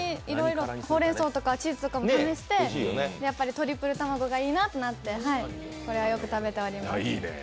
ほうれんそうとかチーズとかも試してやっぱりトリプル卵がいいなと思って、これはよく食べております。